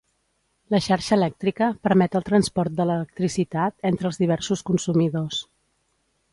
La xarxa elèctrica permet el transport de l'electricitat entre els diversos consumidors.